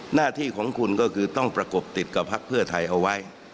หน้าที่ของคุณก็คือต้องประกบติดกับพักเพื่อไทยเอาไว้